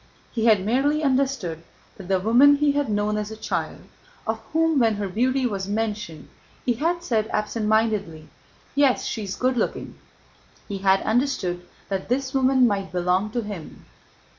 He had merely understood that the woman he had known as a child, of whom when her beauty was mentioned he had said absent mindedly: "Yes, she's good looking," he had understood that this woman might belong to him.